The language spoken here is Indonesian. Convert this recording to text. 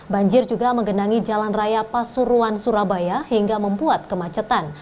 banjir juga menggenangi jalan raya pasuruan surabaya hingga membuat kemacetan